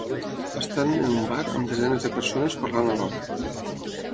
estant en un bar amb desenes de persones parlant a l'hora